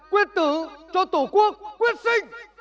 quyết tử cho tổ quốc quyết sinh